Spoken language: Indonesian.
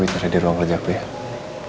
tungguin tidur di ruang renyah questions